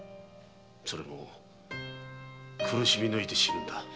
それも苦しみぬいて死ぬんだ。